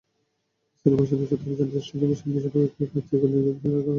স্থানীয় বাসিন্দা সূত্র জানায়, স্টেডিয়ামের সামনের সড়কের কাজ দীর্ঘদিন ফেলে রাখা হয়।